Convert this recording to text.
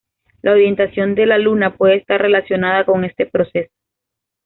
La orientación de la Luna puede estar relacionada con este proceso.